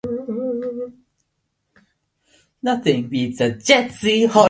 Bridges' maternal grandfather, Marvin Landfield, was the son of Russian-Jewish immigrants.